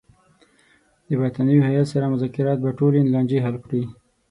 د برټانوي هیات سره مذاکرات به ټولې لانجې حل کړي.